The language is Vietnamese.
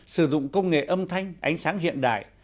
sử dụng công nghệ âm thanh ánh sáng hiện đại